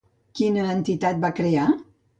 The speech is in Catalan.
Quina entitat va crear?